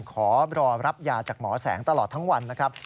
ขอรอรับยาจากหมอแสงตลอดทั้งวันนะครับ